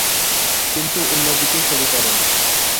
কিন্তু অন্যদিকে সরে পড়েন।